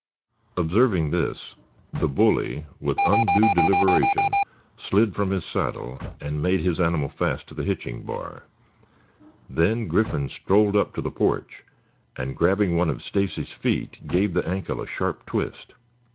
Observing this, the bully, with undue deliberation, slid from his saddle and made his animal fast to the hitching bar. Then Griffin strolled up to the porch, and grabbing one of Stacy's feet gave the ankle a sharp twist.